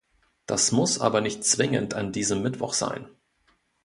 Das muss aber nicht zwingend an diesem Mittwoch sein.